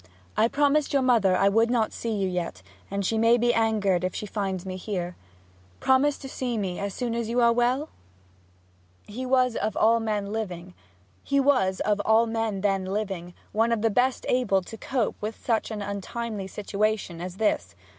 I promised your Mother I would not see You yet, and she may be anger'd if she finds me here. Promise to see me as Soon as you are well?' He was of all men then living one of the best able to cope with such an untimely situation as this.